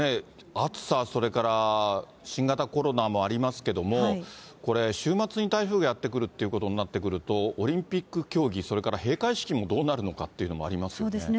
暑さ、それから新型コロナもありますけども、これ、週末に台風がやって来るということになってくると、オリンピック競技、それから閉会式もどうなるのかっていうのもありますよね。